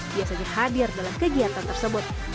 dia saja hadir dalam kegiatan tersebut